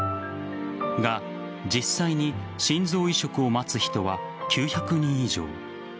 が、実際に心臓移植を待つ人は９００人以上。